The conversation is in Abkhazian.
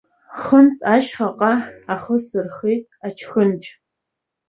Хынтә ашьхаҟа ахы сырхеит ачхьынџь.